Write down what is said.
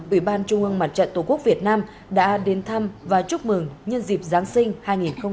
ủy ban trung ương mặt trận tổ quốc việt nam đã đến thăm và chúc mừng nhân dịp giáng sinh hai nghìn hai mươi bốn